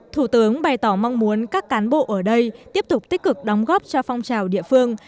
thủ tướng bày tỏ mong muốn các cán bộ ở đây tiếp tục tích cực đóng góp cho phong trào địa phương